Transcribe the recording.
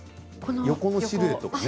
横のシルエットがね